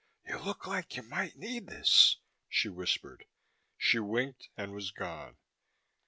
"You look like you might need this," she whispered. She winked and was gone.